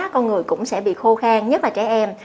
con người cũng sẽ bị khô khang nhất là trẻ em